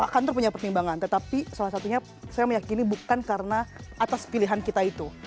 kantor punya pertimbangan tetapi salah satunya saya meyakini bukan karena atas pilihan kita itu